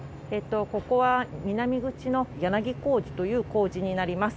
ここは南口の柳小路という小路になります。